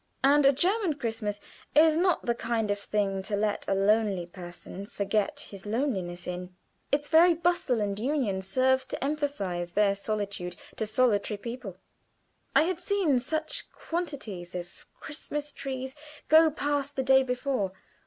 And a German Christmas is not the kind of thing to let a lonely person forget his loneliness in; its very bustle and union serves to emphasize their solitude to solitary people. I had seen such quantities of Christmas trees go past the day before.